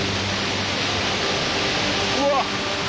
うわっ！